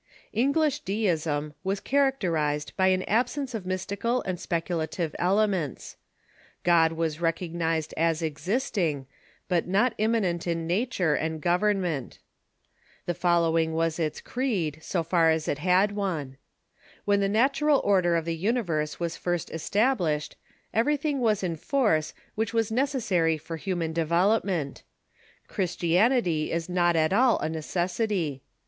English Deism was cliaracterized by an absence of mystical and speculative elements. God was recognized as existing, but not immanent in nature and government. The I^nl?!^* following was its creed, so far as it had one : When of Deism *'^ the natural order of the universe was first established, everything was in force which was necessary for human devel opment. Christianity is not at all a necessity.